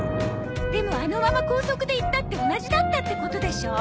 でもあのまま高速で行ったって同じだったってことでしょ？